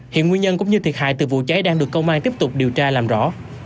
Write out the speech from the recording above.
hiện nguyên nhân cũng như thiệt hại từ vụ cháy đang được công an tiếp tục điều tra làm rõ